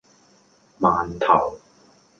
饅頭